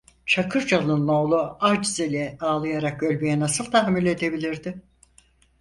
Çakırcalı'nın oğlu acz ile ağlayarak ölmeye nasıl tahammül edebilirdi?